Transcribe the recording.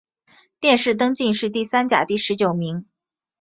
殿试登进士第三甲第十九名。